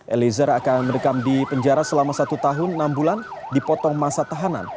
eliezer akan mendekam di penjara selama satu tahun enam bulan dipotong masa tahanan